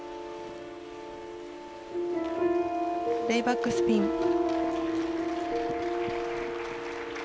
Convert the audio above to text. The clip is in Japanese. レイバックスピン。